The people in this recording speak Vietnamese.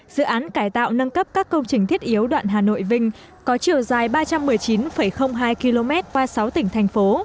dự án cải tạo nâng cấp các công trình thiết yếu đoạn hà nội vinh có chiều dài ba trăm một mươi chín hai km qua sáu tỉnh thành phố